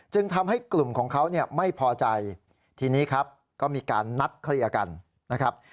ทำให้กลุ่มของเขาเนี่ยไม่พอใจทีนี้ครับก็มีการนัดเคลียร์กันนะครับ